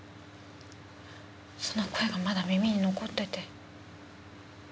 その声がまだ耳に残ってて。